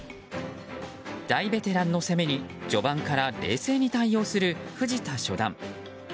大ベテランの攻めに序盤から冷静に対応する藤田初段。